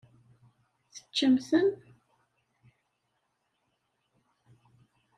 Teččamt-ten?